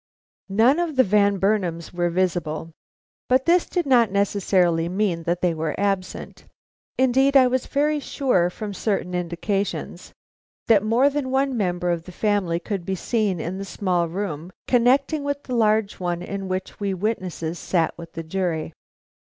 None of the Van Burnams were visible, but this did not necessarily mean that they were absent. Indeed, I was very sure, from certain indications, that more than one member of the family could be seen in the small room connecting with the large one in which we witnesses sat with the jury.